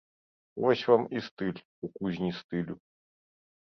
Вось вам і стыль у кузні стылю!